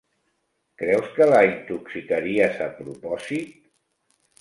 Creus que la intoxicaries a propòsit?